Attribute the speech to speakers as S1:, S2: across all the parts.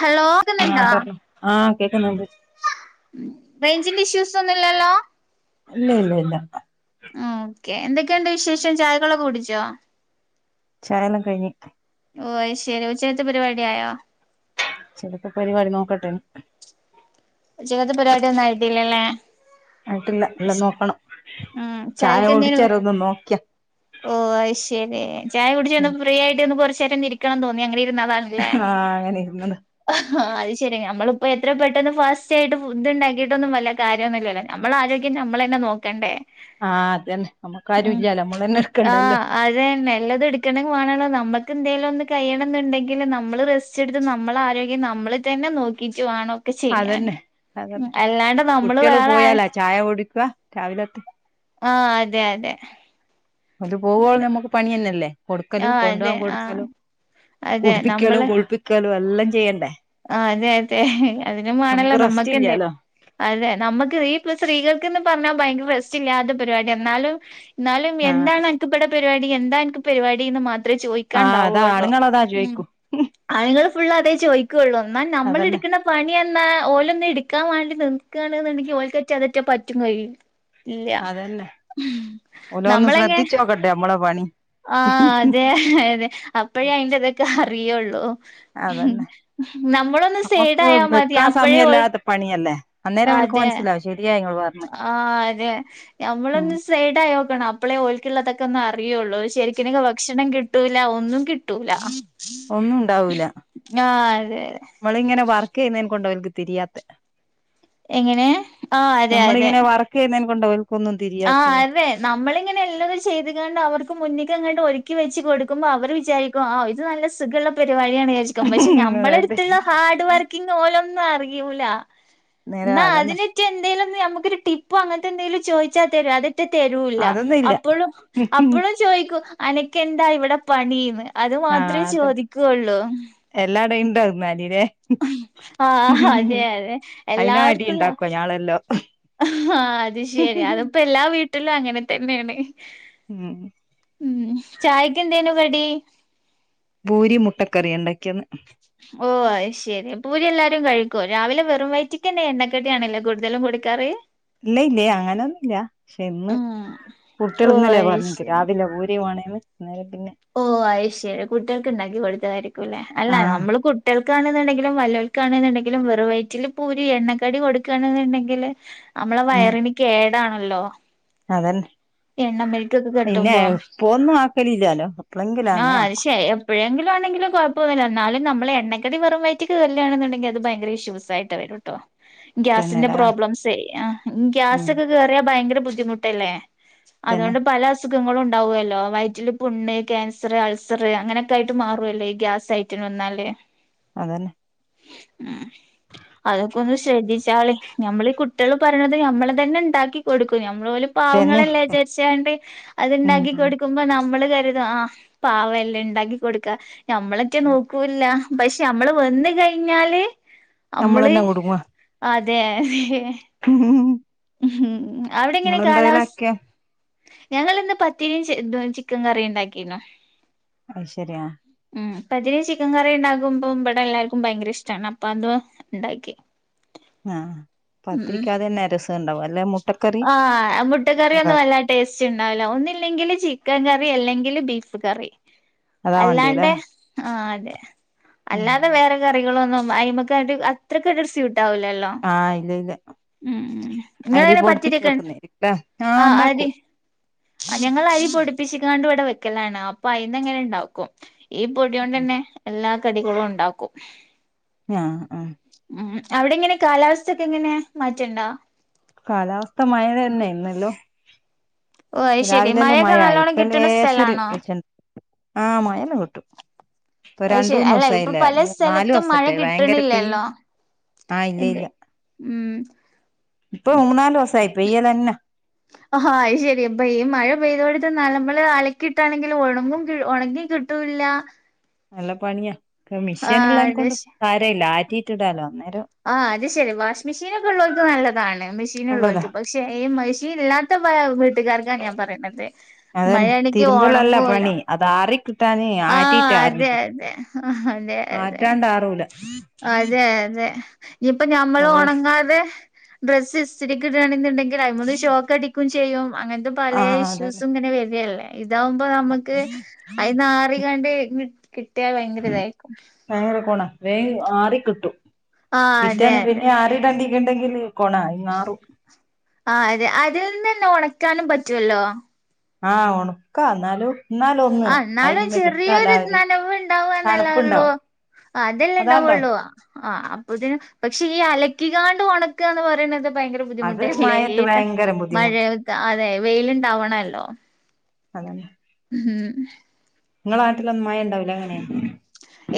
S1: Hello
S2: ആഹ്
S1: കേക്കുന്നുണ്ടോ
S2: പറഞ്ഞോ ആഹ് കേക്കുന്നുണ്ട്.
S1: റേഞ്ചിന്റെ ഇഷ്യൂസ് ഒന്നൂല്ലാല്ലോ?
S2: ഇല്ല ഇല്ല ഇല്ലാ
S1: ഓക്കെ എന്തൊക്കെയുണ്ട്. വിശേഷം ചായകളൊക്കെ കുടിച്ചോ?
S2: ചായെല്ലാം കഴിഞ്ഞീ
S1: ഓയ് ശരി ഉച്ചേത്തെ പരിപാടിയായോ
S2: [unintelligible] പരിപാടി നോക്കട്ടെ
S1: ഉച്ചക്കത്തെ പരിപാടിയൊന്നും ആയിട്ടില്ലാല്ലേ
S2: ആയിട്ടില്ലാ എല്ലാം നോക്കണം
S1: ഉം
S2: ചായ
S1: ചായക്ക് എന്തേനു
S2: [unintelligible] ഒന്നും നോക്കിയാ
S1: ഓ അയ് ശരീ ചായ കുടിച്ച്ന്ന്പ്പോ ഫ്രീ ആയിട്ടിരിന്നപ്പോ കൊറച്ചേരന്നിരിക്കണം തോന്നി അങ്ങനെ ഇരുന്നതാണ്.
S2: ആ അങ്ങനെ [unintelligible]
S1: ആ അത് ശരി നമ്മളിപ്പോ എത്ര പെട്ടെന്ന് ഫാസ് റ്റായിട്ട് ഫുഡ് ഇണ്ടാക്കീട്ടൊന്നും വല്യ കാര്യൊന്നുമില്ലാ നമ്മളെ ആരോഗ്യം നമ്മള് തന്നെ നോക്കേണ്ടേ
S2: ആഹ് അതന്നെ നമ്മുക്കാരും ഇല്ലാ നമ്മള് തന്നെ എടുക്കണ്ടല്ലോ
S1: ആഹ് അതന്നെ എല്ലാതും [unintelligible] നമ്മുക്ക് എന്തെങ്കിലും ഒന്ന് കഴിയണോന്നുണ്ടെങ്കി നമ്മള് റെ ച്ചെടുത്ത് നമ്മള ആരോഗ്യം നമ്മള് തന്നെ നോക്കീട്ടു വേണം ഒക്കെ ചെയ്യാന്
S2: അതെ
S1: ഉം അല്ലാണ്ട് നമ്മള്
S2: കുട്ട്യോള്
S1: വേറെ ആരെ
S2: പോയാലാ ചായ കുടിക്കുവാ രാവിലത്ത്
S1: ആഹ് അതെ അതെ
S2: അത് പോവോളും നമുക്ക് പണി തന്നെയല്ലേ കൊടുക്കലും
S1: ആഹ് അതെ
S2: കൊണ്ടുപോകാൻ
S1: ആഹ്
S2: കൊടുക്കലും
S1: അതെ
S2: കുടിപ്പിക്കലും കുളിപ്പിക്കലും എല്ലാം ചെയ്യണ്ടേ
S1: ആ അതെ അതെ അതിനും വേണല്ലോ
S2: നമുക്ക് റെസ്റ്റ്
S1: നമ്മക്ക് എന്തായും
S2: ഇല്ലാലോ
S1: അതെ നമുക്ക് [unintelligible] സ്ത്രീകൾക്കെന്ന് പറഞ്ഞാ ഭയങ്കര റെസ്റ്റ് ഇല്ലാത്ത പരിപാടി എന്നാലും ഇന്നാലും
S2: ആഹ് അതെ
S1: എന്താണ് അനക്കിവിടെ പരിപാടി എന്താ അനക്ക് പരിപാടി എന്ന് മാ അത്ര
S2: ആഹ് അതാ
S1: ചോദിക്കാണ്ടാവുള്ളോ
S2: ആണുങ്ങളതാ
S1: ഉം
S2: ചോയിക്കും
S1: ആണുങ്ങള് ഫുള്ള് അതേ ചോദിക്കോയുള്ളൂ എന്നാ നമ്മള്
S2: അതന്നെ
S1: എടുക്ക്ണ പണിയെന്നാ ഓലൊന്നും എടുക്കാൻ വേണ്ടി നിൽക്കാണെന്നുണ്ടെങ്കി [unintelligible] അതൊട്ട് പറ്റൂം കഴിയൂലാ ഇലൃ
S2: അതന്നെ
S1: നമ്മളെങ്ങെ
S2: നമ്മള പണി
S1: ആഹ് അതെ അതെ അപ്പഴേ അയിന്റെതൊക്കെ അറിയോള്ളൂ
S2: അതന്നെ നമുക്ക്
S1: സൈഡായാ മതി
S2: വെക്കാൻ
S1: അപ്പഴേ ഓൽ
S2: സമയില്ലാത്ത പണിയല്ലേ അന്നേരം അവനക്ക്
S1: അതെ
S2: മനസ്സിലാവ ശരിയാ ഇങ്ങളോട് പറഞ്ഞെ
S1: ആഹ് അതെ
S2: ഉം
S1: ഞമ്മളൊന്ന് സൈഡായി നോക്കണം അപ്പളേ ഓലിക്കുള്ളതൊക്കെ ഒന്ന് അറിയോള്ളൂ ശരിക്കൊക്കെ ഭക്ഷണം കിട്ടൂലാ ഒന്നും കിട്ടൂലാ
S2: ഒന്നും ഉണ്ടാവൂലാ
S1: അതെ അതെ
S2: നമ്മളിങ്ങനെ വർക്ക് ചെയ്യുന്നേന് കൊണ്ടാ അവരിക്ക് തിരിയാത്തേ
S1: എങ്ങനേ ആ അതെ അതെ
S2: [unintelligible] കൊണ്ട് [unintelligible]
S1: ആഹ് അതേ നമ്മളിങ്ങനെ എല്ലാതും [unintelligible] അവർക്ക് മുന്നിക്കിങ്ങാണ്ട് ഒരുക്കി വെച്ച് കൊടുക്കുമ്പോ അവര് വിചാരിക്ക ഓ ഇത് നല്ല സുഖോള്ള പരിപാടിയാണെന്ന് വി [unintelligible]
S2: അതെ
S1: നമ്മളെടുത്തുള്ള ഹാർഡ് വർക്കിങ്ങ് ഓനൊന്നും അറയൂലാ
S2: നേരാ
S1: എന്ന
S2: അതന്നെ
S1: അതിന് പറ്റേ എന്തേങ്കിലും നമുക്കൊരു ടിപ്പോ അങ്ങനത്തെ എന്തെങ്കിലും ചോദിച്ചാൽ തരമോ അത്. ട്ട് തരൂല്ല
S2: അതൊന്നും ഇല്ല
S1: അപ്പോഴും അപ്പോഴും ചോദിക്കൂ അനക്ക്ന്താ ഇവിടെ പണിന്ന്. അത്
S2: ആഹ്
S1: മാത്രേ
S2: അതന്നെ
S1: ചോദിക്കയുള്ളൂ.
S2: എല്ലാടയും ഉണ്ടായിന്ന അലില്ലേ.
S1: ആഹ് അതെ അതെ
S2: അയിന് അടി
S1: എല്ലാവർക്കുംണ്ട.
S2: ഇണ്ടാക്കുവ ഞാളെല്ലോ
S1: ആഹ് അത് ശെരി അതിപ്പോ എല്ലാ വീട്ടിലും അങ്ങനെ തന്നെയാണ്.
S2: ഉം
S1: ഉം ചായ്ക് എന്തേനു കടി.
S2: ഭൂരി മുട്ടക്കറി ഉണ്ടാക്കിയത്
S1: ഓ ശരി പൂരി എല്ലാരും കഴിക്കോ രാവിലെ വെറും വയറ്റിക്ക്ന്നെ എണ്ണക്കടിയാണല്ലോ കൂടുതലും കറി.
S2: ഇല്ല ഇല്ലേ അങ്ങനൊന്നുല്ല പക്ഷെ ഇന്ന്.
S1: ഉം ഓ
S2: കുട്ടികള്ന്നലേ
S1: അത്
S2: പറഞ്ഞു രാവിലെ ഭൂരി വേണെന്ന് പിന്നെ.
S1: ഓഹ് അയ്ശരി കുട്ടികൾക്ക് ഉണ്ടാക്കി കൊടുത്തതായിരിക്കുല്ലെ അല്ല
S2: ആഹ്
S1: നമ്മള്. കുട്ടികൾക്കാണെന്നുണ്ടെങ്കിലും വല്ലോൽക്കാണെന്നുണ്ടെങ്കിലും വെറു വയറ്റിൽ പൂരി എണ്ണക്കടി കൊടുക്കുകയാണെന്നുണ്ടെങ്കില്. നമ്മളെ
S2: ഉം
S1: വയറിന് കേടാണല്ലോ
S2: അതന്നെ
S1: എണ്ണമക്കൊക്കെ കെട്ടുമ്പോ.
S2: ഇപ്പൊന്നും ആക്കലില്ലാലോ. എപ്പളെങ്കിലാന്നേ
S1: ആഹ് അത്
S2: ആക്കും
S1: ശരി എപ്പഴെങ്കിലാണെങ്കില് കുഴപ്പൊന്നുമില്ലാ എന്നാലും നമ്മള് എണ്ണക്കടി വെറും വയറ്റിക്ക് ചെല്ലാണെന്നുണ്ടെങ്കി അത് ഭയങ്കര ഇഷ്യൂസായിട്ട് വരൂട്ടോ ഗ്യാസിന്റെ
S2: തന്നെല്ലേ
S1: പ്രോബ്ലംസേ ആഹ്
S2: ഉം
S1: ഗ്യാസ്ക്കെ കേറിയാ ഭയങ്കര ബുദ്ധിമുട്ടല്ലേ.
S2: തന്നെ
S1: അതുകൊണ്ട് പല അസുഖങ്ങളും ഉണ്ടാവല്ലോ വയറ്റില് പുണ്. ക്യാൻസർ അൾസർ അങ്ങനൊക്കെ ആയിട്ട് മാറുവല്ലോ ഈ ഗ്യാസയിറ്റി വന്നാല്
S2: അതന്നെ
S1: ഉം അതൊക്കെ ഒന്ന് ശ്രദ്ധിച്ചാളെ നമ്മൾ ഈ കുട്ടികള് പറയണത് നമ്മള് തന്നെ ഉണ്ടാക്കി കൊടുക്കും നമ്മൾ പോലും.
S2: തന്നെ
S1: പാവങ്ങളല്ലേ വിചരിച്ചാണ്ട്
S2: ഉം
S1: അത്ണ്ടാക്കി കൊടുക്കുമ്പോ നമ്മള് കരു. ആഹ് പാവല്ലേ ഉണ്ടാക്കി കൊടുക്ക ഞമ്മളൊക്കെ നോക്കൂല്ല. പക്ഷെ നമ്മള് വന്ന് കഴിഞ്ഞാല് നമ്മള്
S2: നമ്മളന്നെ
S1: അതെ അതെ.
S2: ഉം
S1: ഉം അവിടെ എങ്ങനെ കാലാവസ്ഥ.
S2: ആക്കിയ
S1: ഞങ്ങള് ഇന്ന് പത്തിരിയും ചിക്കൻ കറി ഉണ്ടാക്കിരുന്നു.
S2: അത് ശരിയാ.
S1: ഉം പത്തിരീം ചിക്കൻ കറി ഉണ്ടകുമ്പോ ഇവിടെ എല്ലാർക്കും ഭയങ്കര ഇഷ്ടാണ് അപ്പൊ അത്. ഉണ്ടാക്കി.
S2: ആഹ്
S1: ഉം
S2: പത്തിരിക്കതന്നെ രസണ്ടാവും അല്ല.
S1: ആഹ് മുട്ട കറിയൊന്നും വല്ലാ. ടേസ്റ്റ് ഉണ്ടാവില്ല ഒന്നില്ലെങ്കില് ചിക്കൻ കറി അല്ലെങ്കില് ബീഫ് കറി.
S2: അതാ വേണ്ടിയല്ലേ
S1: അല്ലാണ്ട് ആഹ് അതെ
S2: ഉം
S1: അല്ലാതെ വേറെ. കറികളൊന്നും അയിമക് ആയിട്ട് അത്രക് സിട്ടാവില്ലല്ലോ.
S2: ആഹ് ഇല്ല ഇല്ല അരി
S1: ഇങ്ങളെങ്ങനെ
S2: പൊടിപ്പിച്ച്
S1: പത്തിരിയൊക്കെ
S2: വെക്കുന്നേട്ട ആ
S1: ആഹ്
S2: ഉണ്ടാക്കൂ.
S1: അരി ഞങ്ങള് അരി പൊടിപ്പിച്ചിക്കാണ്ട് ഇവിടെ വെക്കലാണ് അപ്പൊ അയിന്നഅങ്ങനെ ഉണ്ടാക്കും. ഈ പൊടിയോണ്ട് തന്നെ എല്ലാ കടികളും ഉണ്ടാക്കും.
S2: ആഹ്
S1: ഉം അവിടെ എങ്ങനെ കാലാവസ്ഥക്കെ എങ്ങനെ മാറ്റണ്ടോ.
S2: കാലാവസ്ഥ മഴ തന്നെ യിന്നല്ലോ.
S1: ഓഹ് അയ്ശെരി
S2: രാവിലെല്ല
S1: മഴയൊക്കെ
S2: മഴയായി
S1: നല്ലോണം
S2: ഇപ്പല്ല
S1: കിട്ടണ
S2: ലേശര്
S1: സ്ഥലാണോ
S2: വെളിച്ചണ്ട് ആമഴല്ലാം കിട്ടു. ഇപ്പൊ
S1: അത്
S2: രണ്ട്
S1: ശരി
S2: മൂന്ന്
S1: അല്ല ഇപ്പൊ
S2: ദിവസമായില്ലേ
S1: പല
S2: മൂ നാല്
S1: സ്ഥലത്തും മഴ
S2: ദിവസറ്റേ ഭയങ്കര ഇപ്പ.
S1: കിട്ടണില്ലല്ലോ
S2: ആഹ് ഇല്ല
S1: ഇല്ലേ
S2: ഇല്ല
S1: ഉം
S2: ഇപ്പൊ മൂന്നാല് ദിവസയി പെയ്യലന്നെ.
S1: ആ ഹ അത് ശരി അപ്പൊ ഈ മഴ പെയ്തോടുത്ത് നമ്മള് അലക്കി ഇട്ടാണെങ്കിൽ ഉണമ്പും ഉണങ്ങി കിട്ടൂല്ല.
S2: നല്ല പണിയാ. പ്പ
S1: ആഹ്
S2: മെഷീനൊള്ളേന്
S1: അത്
S2: കൊണ്ട് താരേല്ല. ആറ്റിട്ടിടാലോ അന്നേരം.
S1: ആഹ് അത് ശരി. വാഷ് മെഷനെക്കെ ഒള്ളവർക്ക് നല്ലതാണ്. മെഷീൻ
S2: നല്ലതാ
S1: ഉള്ളവർക്ക്. പക്ഷേ ഈ മെഷനില്ലാത്ത പല വീട്ടുകാർക്കാ ഞാ പറയണത്.
S2: അതന്നെ
S1: മഴയാണങ്കി
S2: തിരുമ്പലല്ല
S1: ഓണങ്ങൂല്ല.
S2: പണി അത് ആറി കിട്ടാന്
S1: ആഹ്
S2: ആറ്റിയിട്ട്
S1: അതെ
S2: ആറിടും
S1: അതെ. ആഹ് അതെ അതെ.
S2: ആറ്റാണ്ട് ആറൂല
S1: അതെ അതെ ഇനിയിപ്പ ഞമ്മെള് ഒണങ്ങാതെ ഡ്രസ്സ് ഇസ്തിരിക്ക് ഇടുകയാണെന്നുണ്ടെങ്കിൽ അതിമ്മന്ന് ഷോക്ക് അടിക്കേം ചെയ്യും അങ്ങനെത്തെ പല
S2: ആഹ് അതന്നെ
S1: ഇഷ്യൂസും ഇങ്ങനെ വെരികല്ലേ ഇതാവുമ്പോ നമ്മെക്ക് അയ്ന്ന്‌ ആറി ങ്ങാണ്ട് കിട്ടിയാൽ ഭയങ്കര ഇതായിരിക്കും.
S2: ഭയങ്കര കോണ വേഗ് ആറി കിട്ടും.
S1: ആഹ് അതെ
S2: പിറ്റേന്ന്
S1: അതെ
S2: പിന്നെ ആറിടണ്ടി. ഉണ്ടെങ്കിൽ കൊണാ ഈ നാറും
S1: ആഹ് അതെ അതിൽ നിന്ന് തന്നെ ഉണക്കാനും പറ്റുവെല്ലോ.
S2: ആഹ് ഒണക്കാ എന്നാലും. എന്നാലും ഒന്ന്
S1: ആഹ് എന്നാലും
S2: അയില് മെലിട്ടാലാ
S1: ചെറിയൊരു
S2: ഒരു
S1: നനവ് ഉണ്ടാകുവെന്നല്ലേയൊള്ളൂ
S2: തണുപ്പുണ്ടാവും അതാണ്ടാവും
S1: അതെല്ലെയൊണ്ടാവൊള്ളൂ ആഹ് അപ്പൊത്തിന് പക്ഷെ ഈ അലക്കികാണ്ട് ഉണക്കാന്ന് പറയുന്നത്. ഭയങ്കര
S2: അത്
S1: ബുദ്ധിമുട്ടല്ലേ. ഈ
S2: മഴയത്ത് ഭയങ്കര
S1: മഴ
S2: ബുദ്ധിമുട്ട്
S1: അതെ വെയിലുണ്ടാവണല്ലോ.
S2: അതന്നെ
S1: ഉം.
S2: നിങ്ങളെ നാട്ടിലൊന്നും മയ ഒണ്ടാവില്ല അങ്ങനെ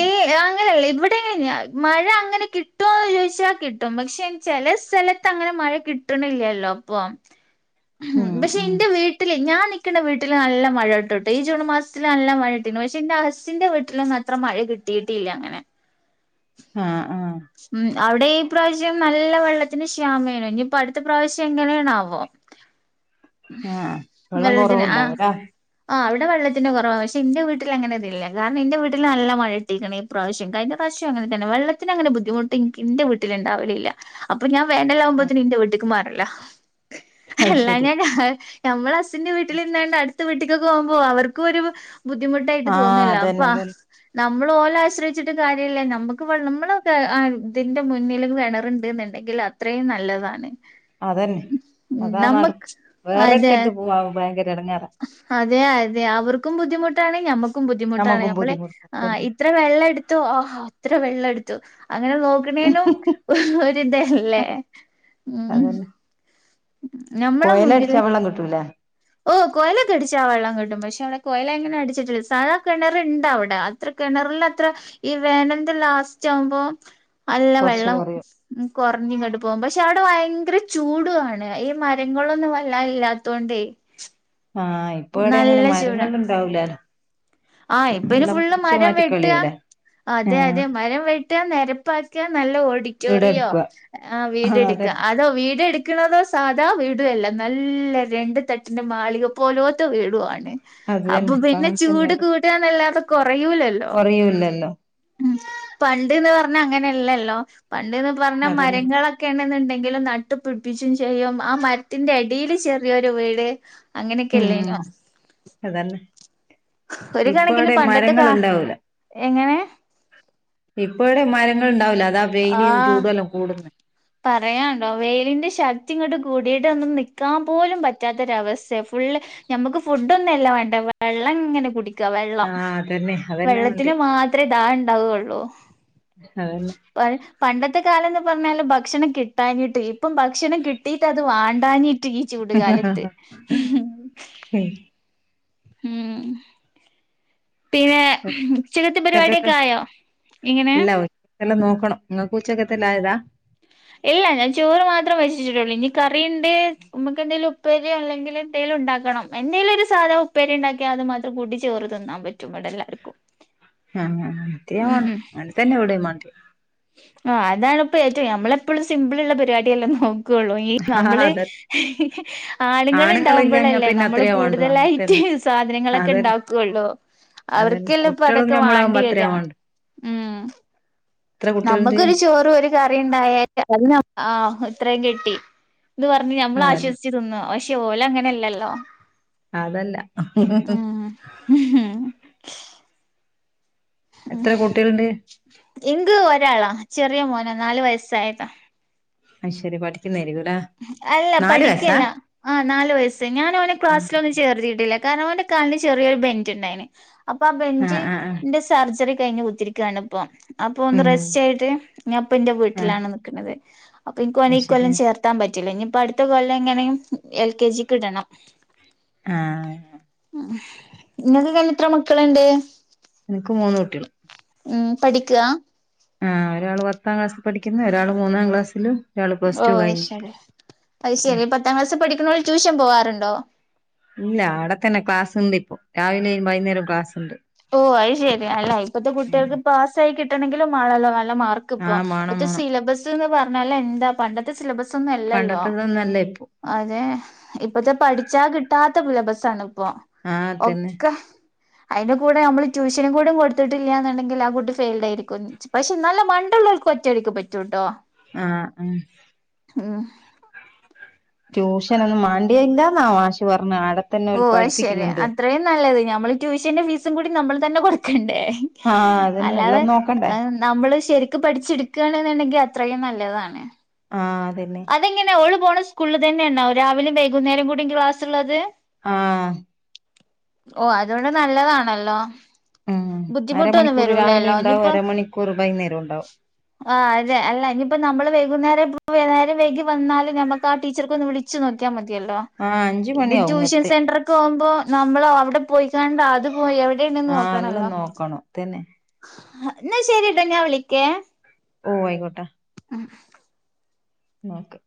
S1: ഏയ് അങ്ങനെയല്ല ഇവിടെങ്ങിനെ ഞാ മഴ അങ്ങനെ കിട്ടുമോന്ന് ചോദിച്ചാൽ കി കിട്ടും പക്ഷെ ചെല സ്ഥലത്തങ്ങനെ മഴ കിട്ടണില്ലല്ലോ ഇപ്പം. ഉം പക്ഷെ എന്റെ വീട്ടില് ഞാൻ നി ക്കണ വീട്ടില് നല്ല മഴ കിട്ടുട്ടോ ഈ ജൂൺ മാസത്തില് നല്ല മഴ കിട്ടിണ് പക്ഷെ എന്റെ അസ്സിന്റെ വീട്ടിലൊന്നും അ ത്ര മഴ കിട്ടിട്ടില്ല അങ്ങനെ.
S2: ആഹ് ആഹ്
S1: ഉം അവെടെ ഈ പ്രാവശ്യം നല്ല വെള്ളത്തിന് ക്ഷാമന്. ഇനിയിപ്പോ അടുത്ത പ്രാവശ്യം എങ്ങനെയണാവോ.
S2: ആഹ് വെള്ളം
S1: വെള്ളത്തിന് ആഹ്
S2: കൊറവുണ്ടാവുംല്ലേ
S1: ആഹ് അവടെ വെള്ളത്തിന്റെ കൊറവാ. പക്ഷെ എന്റെ വീട്ടിൽ അങ്ങനെയിതില്ല. കാരണം ഇന്റെ വീട്ടില് നല്ല മഴ കിട്ടീക്കണ്. ഇപ്രാവശ്യം കഴിഞ്ഞ പ്രാവശ്യം അങ്ങനെ തന്നെ. വെള്ളത്തിന് അങ്ങനെ ബുദ്ധിമുട്ടെനിക്ക് എന്റെ വീട്ടിലൊണ്ടാവലില്ല. അപ്പൊ ഞാൻ വേനലാകുമ്പോത്തിന് ഇന്റെ വീട്ടക്ക് മാറല
S2: അത് ശരി
S1: അല്ലാഞാ ഞമ്മള് അസിന്റെ വീട്ടിലിരുന്നോണ്ട് അടുത്ത വീട്ടിക്കൊക്കെ പോകുമ്പോ അവർക്കും ഒരു. ബുദ്ധിമുട്ടായിട്ട്
S2: ആഹ്
S1: തോന്നോല്ലോ
S2: അതന്നെ
S1: അപ്പാ
S2: അതന്നെ
S1: നമ്മള് ഓലെ ആശ്രയിച്ചിട്ട് കാര്യല്ല. നമ്മുക്ക് വെള്ള നമ്മള് ഇതിന്റെ മുന്നില് കിണറുണ്ട്ന്നുള്ളേ. ണ്ടെങ്കിൽ അത്രയും നല്ലതാണ്.
S2: അതന്നെ
S1: ഉം
S2: അതാ നടക്കും
S1: നമുക്ക് അതെ
S2: വേറെടുത്തട്ട് പോവാ ഭയങ്കര എടങ്ങേറാ
S1: അതെ അതെ അവർക്കും ബുദ്ധിമുട്ടാണ് ഞമ്മെക്കും ബുദ്ധിമുട്ടാണ്
S2: ഞമ്മക്കും
S1: നമ്മെള്
S2: ബുദ്ധിമുട്ട്
S1: ആഹ്
S2: അതന്നെ
S1: ഇപ്പൊ ത്ര വെള്ളം എടുത്തു. ഹ ഹ അത്ര വെള്ളം എടുത്തു. അങ്ങനെ നോക്കി ക്കുന്നേനും ഒരിതല്ലേ. ഉം
S2: അതന്നെ കൊയലടിച്ചാ വെള്ളം കിട്ടൂലേ?
S1: ഓഹ് കൊയെലെക്കെ അടിച്ചാ വെള്ളം കിട്ടും. പക്ഷെ അവെടെ കോയലങ്ങനെ അടിച്ചിട്ടില്ല. സാധാ കിണറിണ്ടവിടെ. അത്ര കിണറിലത്ര ഈ വേനലെന്ത് ലാസ്റ്റ് ആവുമ്പോ നല്ല
S2: കൊറച്ച്
S1: വെള്ളം.
S2: കൊറയും
S1: ഉം കൊറെഞ്ഞിങ്ങട്ട് പോവും. പക്ഷെ അവെടെ ഭയങ്കര ചൂടുവാണ് ഈ മരങ്ങളൊന്നും വല്ലാ ഇല്ലാത്തോണ്ടേ.
S2: ആഹ് ഇപ്പ എവിടെ എങ്ങനെ
S1: നല്ല ചൂടാ
S2: മരങ്ങളിണ്ടാവൂല്ല
S1: ആഹ് ഇപ്പ അയ്ന് ഫുള്ള് മരം വെട്ട്ക. അതെ
S2: ആഹ്
S1: അതെന മരം വെട്ടാ നെരപ്പാക്കാ. നല്ല
S2: വീട്
S1: ഓഡിറ്റോറിയോ.
S2: എടുക്കുക
S1: ആഹ്
S2: ആ
S1: വീടെടുക്ക.
S2: അതന്നെ
S1: അതോ വീടെടുക്ക്. വെക്കണത് സാധാ വീടല്ല. നല്ല രണ്ടു തട്ടിന്റെ മാളിക പോലോത്തെ വീടുമാണ്.
S2: അത്
S1: അപ്പൊ
S2: തന്നെ ഇപ്പ
S1: പിന്നെ
S2: അങ്ങനെ തന്നെ
S1: ചൂട് കൂട്ടുക എന്നല്ലാതെ കൊറയൂലല്ലോ.
S2: കൊറയൂല്ലല്ലോ
S1: ഉ പണ്ട്ന്ന് പറഞ്ഞാ അങ്ങനെയല്ലല്ലോ പണ്ട്ന്ന് പറഞ്ഞാ
S2: അതന്നെ
S1: മരങ്ങളൊ ക്കെണെന്നുണ്ടെങ്കിലും നട്ടു പിടിപ്പിച്ചും ചെയ്യും. ആ മരത്തിന്റെ അടിൽ ചെറിയൊരു വീട്. അങ്ങനെയൊക്കെ അല്ലേയിന്നോ.
S2: അത് തന്നെ
S1: ഒരു
S2: ഇപ്പ
S1: കണക്കിന്
S2: അവിടെ ടെ
S1: പണ്ടത്തെ
S2: മരങ്ങൾ
S1: കാ
S2: ഉണ്ടാവൂല.
S1: എങ്ങനെ
S2: ഇപ്പ അവിടെ മരങ്ങൾ ഉണ്ടാവില്ല. അതാ വെയില് ചൂടല്ലാം കൂടുന്നത്.
S1: പറയാനുണ്ടോ, വെയിലിന്റെ ശക്തി ഇങ്ങോട്ട് കൂടിയിട്ടെന്നും നിക്കാൻ പോലും പറ്റാത്തൊരവസ്ഥ ഫുള്ള്- നമുക്ക് ഫുഡ് ഒന്നും അല്ല വേണ്ടെ വെള്ളം ഇങ്ങനെ കുടിക്ക വെള്ളം
S2: ആഹ് അതന്നെ അതന്നെ ഉണ്ട്
S1: വെള്ളത്തിന് മാത്രമേ ദാഹം ഉണ്ടാവയുള്ളൂ.
S2: അതന്നെ
S1: പണ്ടത്തെ കാലം എന്ന് പറഞ്ഞാല്- ഭക്ഷണം കിട്ടാനിട്ട് ഇപ്പം ഭക്ഷണം കിട്ടിയിട്ട് അത് വാണ്ടാനി- ട്ട് ഈ ചൂടുകാലത്ത്. ഉം പിന്നെ ഉച്ചക്കത്ത്
S2: ഉച്ചക്കത്തെ
S1: പരിപാടിക്കെ ആയോ ഇങ്ങനെ
S2: എല്ലാം നോക്കണം നിങ്ങക്ക് ഉച്ചക്കത്തെയെല്ലാം ആയതാ.
S1: ഇല്ല ഞാൻ ചോറ് മാത്രേ വച്ചിട്ടുള്ളൂ. ഇനി കറിണ്ട് നമ്മക്ക് എന്തേലും ഉപ്പേരിയോ അല്ലെങ്കിൽ എന്തേലും ഉണ്ടാക്കണം. എന്തെങ്കിലും ഒരു സാധാ ഉപ്പേരി ഉണ്ടാക്കിയാ അത് മാത്രം കൂട്ടി ചോറ് തിന്നാൻ പറ്റും ഇവിടെ എല്ലാവർക്കും.
S2: ആഹ് അഹ് ഞാൻ കണ്ട്
S1: ഉം ഉം
S2: അങ്ങ [unintelligible] നെ തന്നെ എവിടെ വേണ്ട.
S1: ആഹ് അതാണിപ്പ എറ്റവും നമ്മളെപ്പളും സിമ്പിളൊള്ള പരിപാടിയല്ലേ നോക്ക്- ക്കുള്ളൂ ഈ
S2: ആഹ്
S1: നമ്മള്
S2: അതെ
S1: ആണുങ്ങള്
S2: ആണുങ്ങളില്ലാഞ്ഞാ
S1: ഇണ്ടാവുമ്പോഴല്ലേ
S2: പിന്നെ
S1: നമ്മള്
S2: അത്രയാ വേണ്ടു അങ്ങനെ
S1: കൂടുതലായിട്ട്.
S2: തന്നെ
S1: സാധനങ്ങളൊക്കെ
S2: അതന്നെ
S1: ഇണ്ടാക്കുള്ളോ.
S2: അതന്നെ
S1: അവർക്കല്ലെ ഇപ്പൊ
S2: കുട്ടികളും
S1: അതൊക്കെ
S2: ഞമ്മളാകുമ്പോ
S1: വാണ്ടി
S2: അത്ര
S1: വരിക
S2: ആവാണ്ട് എത്ര കുട്ടികളുണ്ട്
S1: നമ്മുക്കൊരു ചോറും, ഒരു കറി ഉണ്ടായാൽ അത് ആ ഇത്രയും കിട്ടി. ഇന്ന് പറഞ്ഞ് ഞമ്മള്
S2: അതന്നെ
S1: ആശ്വസിച്ച് തിന്നു. പക്ഷെ ഓല് അങ്ങനെയല്ലല്ലോ.
S2: അത് അല്ല
S1: ഉം
S2: എത്ര കുട്ടികളുണ്ട്.
S1: എങ്ക് ഒരാളാ ചെറിയ മോനോ നാല് വയസ്സായതാ.
S2: അത് ശരി പഠിക്കുന്നതായിക്കും ഇല്ലേ
S1: അല്ല പഠിക്കുകയല്ല ആ നാല് വയസ്സ് ഞാന് അവനെ ക്ലാസ്സിൽ
S2: ആഹ്
S1: ഒന്ന ചേർത്തിട്ടില്ല, കാരണം അവന്റെ കണ്ണ് ചെറിയൊരു ബെഞ്ച് ഉണ്ടായിണ് അപ്പൊ ആ
S2: ആഹ് ആഹ്
S1: ബെഞ്ചിന്റെ - സർജറി കഴിഞ്ഞ് കുത്തിരിക്കുകയാണ് ഇപ്പൊ. അപ്പൊ ഒന്ന്
S2: ഉം
S1: റെസ്റ്റ് ആയിട്ട് ഞാൻ ഇപ്പ എന്റെ
S2: ആഹ്
S1: വീട്ടിലാണ് നിക്കുന്നത് അപ്പൊ എനിക്ക് ഓനെ
S2: അത്
S1: ഈ
S2: ശരി
S1: കൊല്ലം ചേർ ത്താൻ പറ്റൂല്ല ഇനിയിപ്പ അടുത്ത കൊല്ലം എങ്ങനെയും എൽ കെ ജി ക്കു വിടണം.
S2: ആഹ്
S1: നിങ്ങൾക്കക്കെ ഇത്ര മക്കളുണ്ട്.
S2: എനിക്ക് മൂന്ന് കുട്ടികള്.
S1: ഉം പഠിക്കവാ
S2: ആഹ് ഒരാള് പത്താം ക്ലാസ്സിൽ പഠിക്കുന്നു. ഒരാള് മൂന്നാം ക്ലാസ്സിലും. ഒരാള് പ്ലസ് ടു
S1: ഓഹ്
S2: കഴിഞ്ഞു
S1: അത്ശരി അത് ശരി പത്താം ക്ലാസ്സിൽ പഠിക്കുന്നോര് ട്യൂഷൻ പോവാറുണ്ടോ.
S2: ഇല്ല അവിടെ തന്നെ ക്ലാസ് ഉണ്ട് ഇപ്പൊ രാവിലെയും വൈകുന്നേരവും ക്ലാസ് ഉണ്ട്.
S1: ഓഹ് അത് ശരി അല്ല ഇപ്പത്തെ കുട്ടികൾക്ക് പാസ്സ് ആയി കിട്ടണെങ്കിലും ആണല്ലോ നല്ല മാർക്ക്.
S2: ആഹ് മാണം
S1: ഇപ്പഴത്തെ
S2: മാണം
S1: സിലബസ് എന്ന് പറഞ്ഞാ എന്താ പണ്ടത്തെ സിലബസ് ഒന്നും അല്ലല്ലോ
S2: പണ്ടത്തതൊന്നല്ല ഇപ്പൊ
S1: അതെ. ഇപ്പത്തെ പഠിച്ചാ കിട്ടാത്ത സിലബസാണ് ഇപ്പോ
S2: ആഹ് തന്നെ
S1: ഒക്കെ അയിനി കൂടെ നമ്മള് ട്യൂഷനും കൂടെ കൊടുത്തിട്ടില്ലാന്ന്ണ്ടെങ്കിൽ ആ കുട്ടി ഫെൽഡ് ആയിരിക്കും. പക്ഷെ നല്ല മണ്ട ഉള്ളോൽക്ക് ഒറ്റടിക്ക് പറ്റൂട്ടോ.
S2: ആഹ് ആഹ്
S1: ഉം
S2: ട്യൂഷനൊന്ന് മാ എന്താ മാശ് പറഞ്ഞെ അടക്
S1: ഓ അയ് ശരി അത്രയും നല്ലത്. ഞമ്മള് ട്യൂഷന്റെ ഫീസും കൂടി നമ്മള് തന്നെ കൊടുക്കെണ്ടെ.
S2: ആഹ് അതന്നെ
S1: അല്ലാതെ
S2: എല്ലാം നോക്കണ്ടേ
S1: നമ്മള് ശരിക്ക് പഠിച്ചെടുക്ക്യാണ്ന്ന്ണ്ടെങ്കിൽ അത്രയും നല്ലതാണ്.
S2: ആ അതന്നെ.
S1: അതെങ്ങനെ ഓള് പോണ സ്കൂള് തന്നെ ആണാവ രാവിലും വൈകുന്നേരം കൂടി ക്ലാസ് ഇള്ളത്.
S2: ആഹ്
S1: ഓ അതോണ്ട് നല്ലതാണല്ലോ
S2: ഉം
S1: ബുദ്ധിമുട്ടൊന്നും
S2: അരമണിക്കൂർ രാവിലെ
S1: വരൂലല്ലോ
S2: ഇണ്ടാവും
S1: ഇനിയിപ്പോ
S2: അരമണിക്കൂർ വൈകുന്നേരം ഉണ്ടാവും
S1: ആ അതെ അല്ല ഇഞ്പ്പോ നമ്മള് വൈകുന്നേരം [unintelligible] വൈഗി വന്നാലും ഞമക്ക് ആ ടീച്ചർക്ക ഒന്ന് വിളു നോക്ക്യാ മതിയല്ലോ.
S2: ആഹ് അഞ്ച്
S1: ഇത്
S2: മണിയാവും
S1: ട്യൂഷൻ
S2: ഇങ്ങെത്തെ
S1: സെന്റർ കോഉമ്പോ നമ്മള് അവിടെ പോയിക്കാണ്ട് അത് പോയിവി
S2: ആഹ് എല്ലാം നോക്കണം തന്നെ
S1: ഇന്നാ ശെരിട്ടൊ ഞാൻ വിളിക്കേ.
S2: ഓ ആയിക്കോട്ടെ
S1: ഉം
S2: നോക്ക്